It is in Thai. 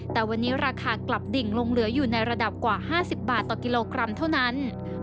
แต่วันนี้ราคากลับดิ่งลงเหลืออยู่ในระดับกว่า๕๐บาทต่อกิโลกรัมเท่านั้น